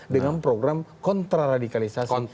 dengan program kontraradikalisasi